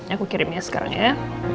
aku kirimnya sekarang ya